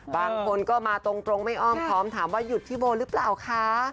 บางคนก็มาตรงไม่อ้อมพร้อมถามว่าหยุดที่โบหรือเปล่าคะ